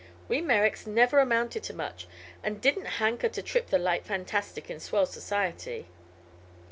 We Merricks never amounted to much, an' didn't hanker to trip the light fantastic in swell society.